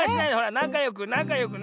なかよくなかよくね。